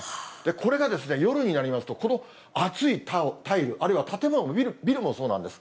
これがですね、夜になりますと、この熱いタイル、あるいは建物のビルもそうなんです。